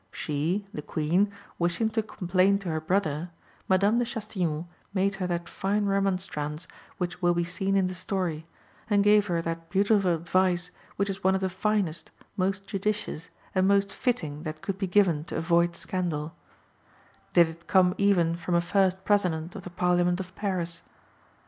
She (the Queen) wishing to complain to her brother, Madame de Chastillon made her that fine remonstrance which will be seen in the story, and gave her that beautiful advice which is one of the finest, most judicious, and most fitting that could be given to avoid scandal: did it come even from a first president of (the Parliament of) Paris.